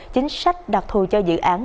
chính sách đặc thù cho dự án